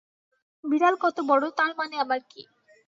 বিড়াল কত বড়-তার মানে আবার কী?